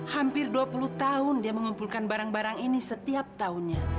hampir dua puluh tahun dia mengumpulkan barang barang ini setiap tahunnya